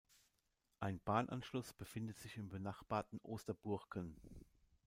Ein Bahnanschluss befindet sich im benachbarten Osterburken.